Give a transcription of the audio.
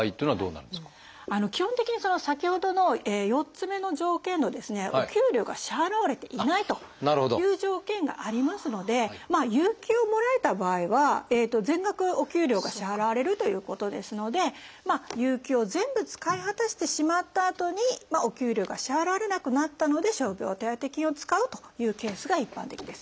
基本的に先ほどの４つ目の条件のですねお給料が支払われていないという条件がありますので有給をもらえた場合は全額お給料が支払われるということですので有給を全部使い果たしてしまったあとにお給料が支払われなくなったので傷病手当金を使うというケースが一般的です。